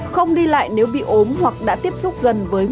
không đi lại nếu bị ốm hoặc đã tiếp xúc gần với bệnh